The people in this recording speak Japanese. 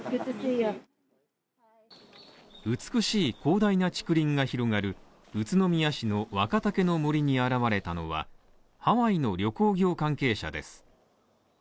美しい広大な竹林が広がる宇都宮市の若竹の杜に現れたのはハワイの旅行業関係者です。